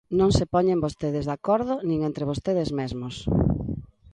Non se poñen vostedes de acordo nin entre vostedes mesmos.